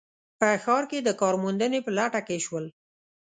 په ښار کې د کار موندنې په لټه کې شول